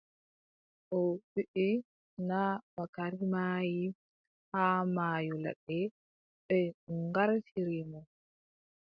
O wiʼi , naa Bakari maayi, haa maayo ladde. ɓe ŋgartiri mo.